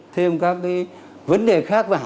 thêm các vấn đề khác vào